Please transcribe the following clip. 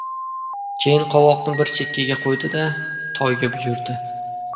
— Keyin qovoqni bir chekkaga qo‘ydi-da, Toyga buyurdi.